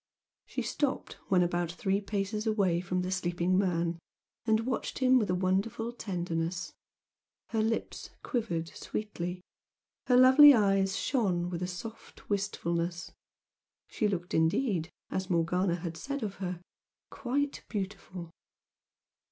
She stopped when about three paces away from the sleeping man and watched him with a wonderful tenderness. Her lips quivered sweetly her lovely eyes shone with a soft wistfulness, she looked indeed, as Morgana had said of her, "quite beautiful."